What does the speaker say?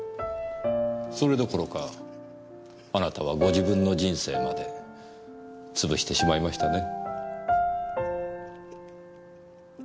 それどころかあなたはご自分の人生まで潰してしまいましたね。